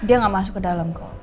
dia nggak masuk ke dalam kok